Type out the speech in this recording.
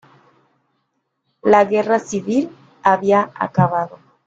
La guerra civil había acabado.